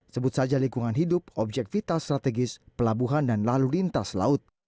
sebut saja lingkungan hidup objek vital strategis pelabuhan dan lalu lintas laut